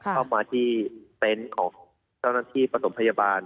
เข้ามาที่เต็นต์ของเจ้าหน้าที่ประถมพยาบาล